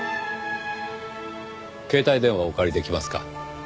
携帯電話をお借りできますか？